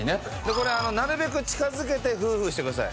これなるべく近づけてフーフーしてください。